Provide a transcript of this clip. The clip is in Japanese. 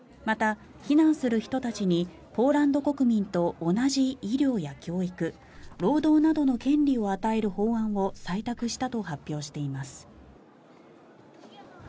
また避難する人たちにポーランド国民と同じ医療や教育、労働などの権利を与える法案を採択したと発表しています。